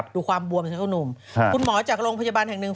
ดูความววมอยู่เห็นกับถุงหนุ่มคุณหมอจากโรงพยาบาลแห่งหนึ่ง